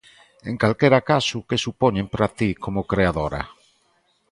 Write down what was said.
En calquera caso, que supoñen para ti, como creadora?